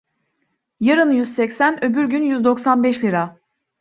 Yarın yüz seksen öbür gün yüz doksan beş lira.